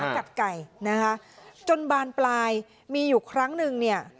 กัดไก่นะคะจนบานปลายมีอยู่ครั้งหนึ่งเนี่ย